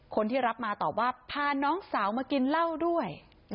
คนที่รับมาตอบว่าพาน้องสาวมากินเหล้าด้วย